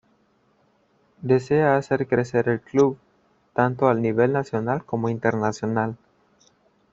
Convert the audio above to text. Desea hacer crecer el club, tanto al nivel nacional como internacional.